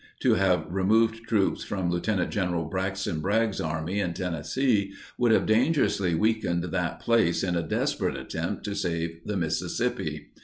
To have removed troops from Lt. Gen. Braxton Bragg's army in Tennessee would have dangerously weakened that place in a desperate attempt to save the Mississippi.